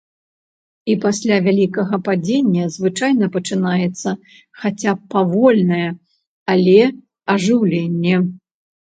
І пасля вялікага падзення звычайна пачынаецца хаця б павольнае, але ажыўленне.